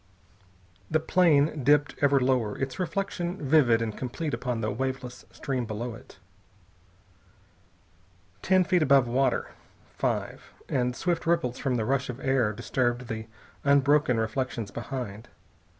The plane dipped ever lower, its reflection vivid and complete upon the waveless stream below it. Ten feet above the water. Five and swift ripples from the rush of air disturbed the unbroken reflections behind.